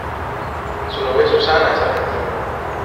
Su novia Susana es argentina.